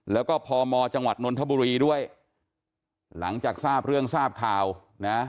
แล้วก็พมจังหวัดนนทบุรีด้วยหลังจากทราบเรื่องทราบข่าวนะ